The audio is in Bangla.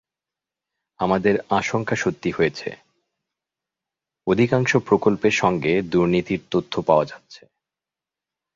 আমাদের আশঙ্কা সত্যি হয়েছে, অধিকাংশ প্রকল্পের সঙ্গে দুর্নীতির তথ্য পাওয়া যাচ্ছে।